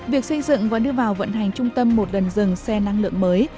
việc xây dựng và đưa vào vận hành trung tâm một lần dừng xe năng lượng mới